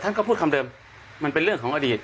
ก็พูดคำเดิมมันเป็นเรื่องของอดีต